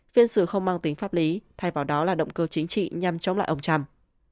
phiên xử không mang tính pháp lý thay vào đó là động cơ chính trị nhằm chống lại ông trump